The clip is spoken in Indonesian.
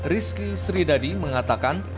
rizky sridadi mengatakan